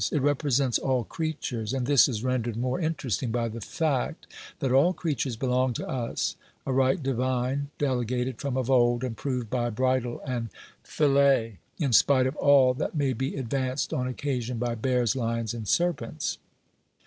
It represents all creatures, and this is rendered more interesting by the fact that all creatures belong to us, a right divine delegated from of old and proved by bridle and fillet, in spite of all that may be advanced on occasion by bears, lions and serpents.